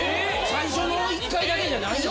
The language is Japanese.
最初の１回だけじゃないんや。